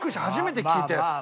初めて聞いて。